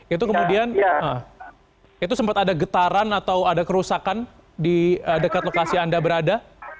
itu kemudian itu sempat ada getaran atau ada kerusakan di dekat lokasi anda berada